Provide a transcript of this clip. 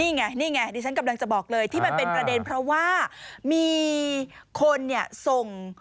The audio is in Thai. นี่ไงนี่ไงดิฉันกำลังจะบอกเลยที่มันเป็นประเด็นเพราะว่ามีคนเนี่ยส่ง